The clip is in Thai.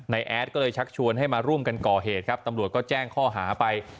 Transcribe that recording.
แอดก็เลยชักชวนให้มาร่วมกันก่อเหตุครับตำรวจก็แจ้งข้อหาไป